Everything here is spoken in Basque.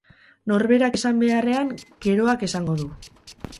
Norberak esan beharrean geroak esango du.